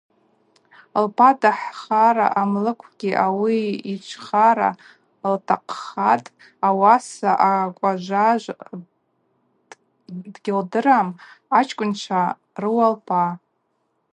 Лпа дахӏхара амлыквгьи Ауи йчӏвхара лтахъхатӏ, Ауаса акӏважважв дгьылдырам Агӏвычкӏвынчва рыуа лпа.